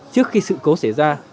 trước khi sự cố xảy ra